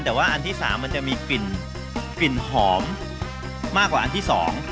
แต่ว่าอันที่๓มันจะมีกลิ่นหอมมากกว่าอันที่สอง